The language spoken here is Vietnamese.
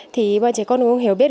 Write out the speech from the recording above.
thì bọn trẻ con cũng hiểu biết